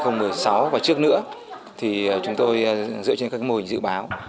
năm hai nghìn một mươi sáu và trước nữa thì chúng tôi dựa trên các mô hình dự báo